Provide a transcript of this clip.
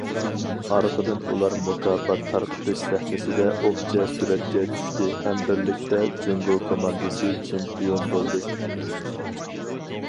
ئارقىدىن ئۇلار مۇكاپات تارقىتىش سەھنىسىدە ئوپچە سۈرەتكە چۈشتى ھەم بىرلىكتە: جۇڭگو كوماندىسى چېمپىيون بولدى!